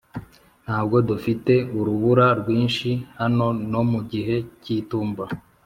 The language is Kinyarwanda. ntabwo dufite urubura rwinshi hano no mu gihe cy'itumba.